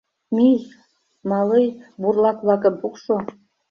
Мий, малый, бурлак-влакым пукшо.